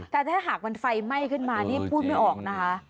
แต่ถ้าหากมันไฟไหม้ขึ้นมานี่พูดไม่ออกนะคะ